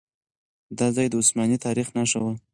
دا ځای د عثماني تاريخ نښه وه.